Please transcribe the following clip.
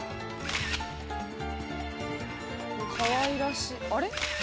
かわいらしいあれ？